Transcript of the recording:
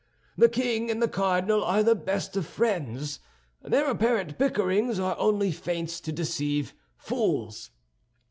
The king and the cardinal are the best of friends; their apparent bickerings are only feints to deceive fools.